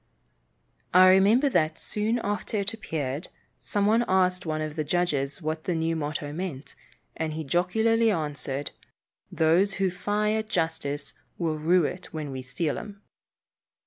I remember that, soon after it appeared, some one asked one of the judges what the new motto meant, and he jocularly answered, "Those who fy at justice will rue it when we seal 'em."